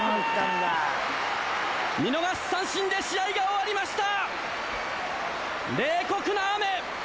見逃し三振で試合が終わりました！